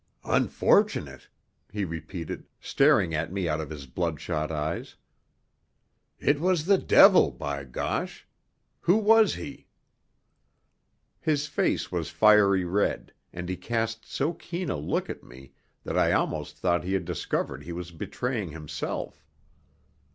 "Unfortunate!" he repeated, staring at me out of his bloodshot eyes. "It was the devil, by gosh! Who was he?" His face was fiery red, and he cast so keen a look at me that I almost thought he had discovered he was betraying himself.